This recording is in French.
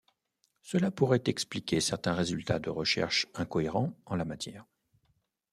Cela pourrait expliquer certains résultats de recherche incohérents en la matière.